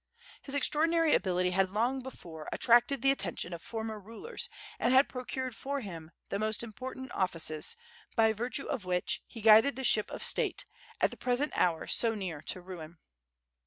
His extraordinary ability had long before attracted the attention of former rulers and had procured for him the most important ofl&ces, by virtue of which he guided the ship of state, at the present hour so near to ruin.